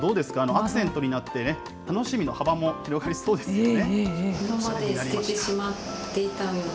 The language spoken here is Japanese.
アクセントになってね、楽しみの幅も広がりそうですよね。